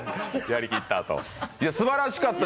やりきったあと。